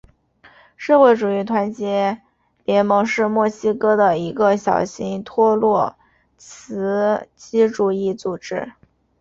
社会主义团结联盟是墨西哥的一个小型托洛茨基主义组织。